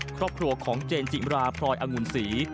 ครอบครัวของเจนจิมราพลอยองุ่นศรี